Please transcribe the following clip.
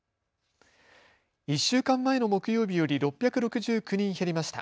１週間前の木曜日より６６９人減りました。